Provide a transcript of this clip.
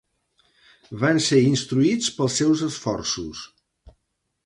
Van ser instruïts pels seus esforços.